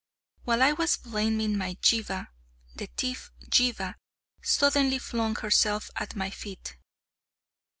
While I was blaming my jihva, the thief Jihva suddenly flung herself at my feet.